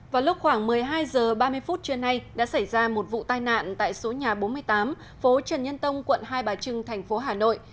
vào lúc khoảng một mươi hai h ba mươi phút trưa nay đã xảy ra một vụ tai nạn tại số nhà bốn mươi tám phố trần nhân tông quận hai bà trưng thành phố hà nội